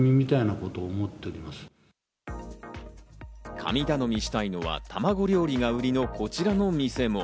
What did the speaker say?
神頼みしたいのは、たまご料理が売りのこちらの店も。